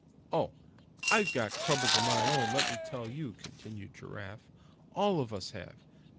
"Oh! I've got troubles of my own, let me tell you," continued Giraffe; "all of us have.